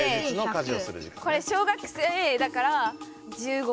でこれ小学生だから１５？